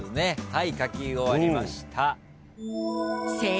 はい書き終わりました。